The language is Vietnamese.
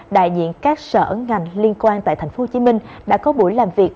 đại diện các sở ngành liên quan tại tp hcm đã có buổi làm việc